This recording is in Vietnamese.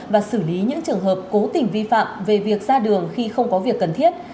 và xử lý những trường hợp cố tình vi phạm về việc ra đường khi không có việc cần thiết